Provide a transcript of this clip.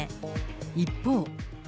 一方。